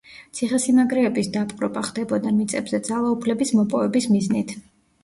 ციხესიმაგრეების დაპყრობა ხდებოდა მიწებზე ძალაუფლების მოპოვების მიზნით.